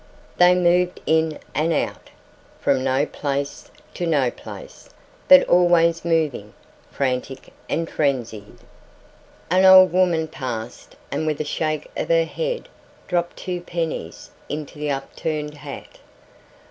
They moved in and out, from no place to no place, but always moving, frantic and frenzied. An old woman passed and with a shake of her head dropped two pennies into the upturned hat.